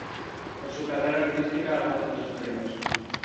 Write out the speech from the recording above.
En su carrera artística ha ganado muchos premios.